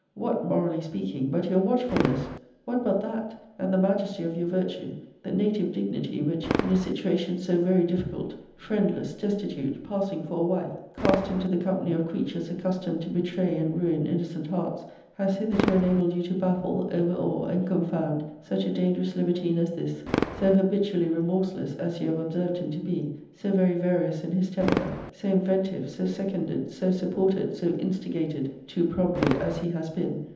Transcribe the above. What, morally speaking, but your watchfulness! What but that, and the majesty of your virtue; the native dignity, which, in a situation so very difficult, (friendless, destitute, passing for a wife, cast into the company of crea tures accustomed to betray and ruin innocent hearts,) has hitherto enabled you to baffle, over awe, and confound, such a dangerous libertine as this; so habitually remorseless, as you have observed him to be; so very various in his temper, so inventive, so seconded, so supported, so instigated, too pro bably, as he has been!